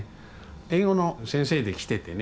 英語の先生で来ててね。